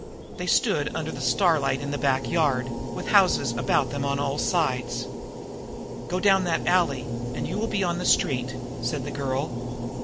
They stood under the starlight in a back yard, with houses about them on all sides. "Go down that alley, and you will be on the street," said the girl.